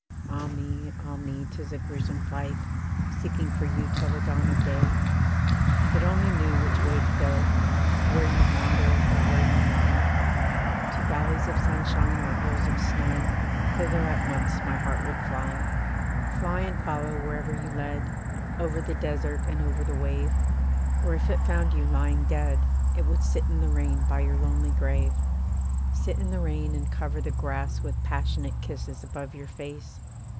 Ah me! ah me! 'tis a gruesome flight, Seeking for you till the dawn of day. If it only knew which way to go; Where you wander, or where you lie. To valleys of sunshine, or hills of snow, Thither at once my heart would fly. Fly and follow wherever you led, Over the desert and over the wave; Or if it found you lying dead, It would sit in the rain by your lonely grave. Sit in the rain, and cover the grass With passionate kisses above your face.